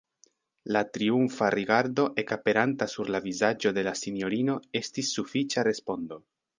La triumfa rigardo ekaperanta sur la vizaĝo de la sinjorino estis sufiĉa respondo.